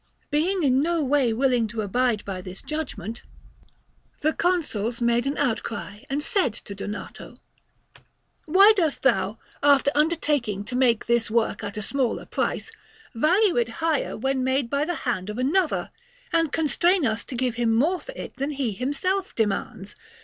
Being in no way willing to abide by this judgment, the Consuls made an outcry and said to Donato: "Why dost thou, after undertaking to make this work at a smaller price, value it higher when made by the hand of another, and constrain us to give him more for it than he himself demands?